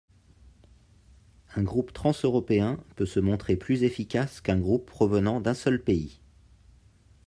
Un groupe transeuropéen peut se montrer plus efficace qu'un groupe provenant d'un seul pays.